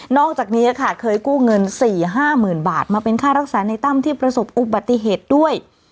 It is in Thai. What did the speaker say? อกจากนี้ค่ะเคยกู้เงิน๔๕๐๐๐บาทมาเป็นค่ารักษาในตั้มที่ประสบอุบัติเหตุด้วย